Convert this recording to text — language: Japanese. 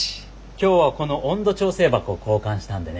今日はこの温度調整箱を交換したんでね